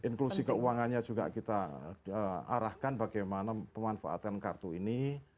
inklusi keuangannya juga kita arahkan bagaimana pemanfaatan kartu ini